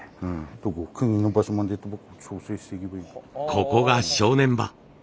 ここが正念場。